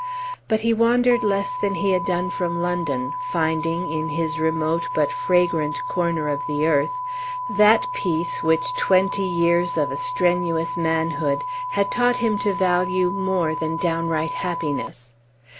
But he wandered less than he had done from London, finding, in his remote but fragrant corner of the earth, that peace which twenty years of a strenuous manhood had taught him to value more than downright happiness.